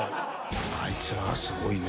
あいつらはすごいね。